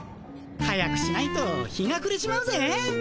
早くしないと日がくれちまうぜ。